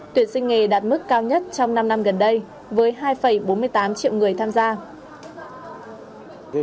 tuyển sinh nghề đạt mức cao nhất trong năm năm gần đây với hai bốn mươi tám triệu người tham gia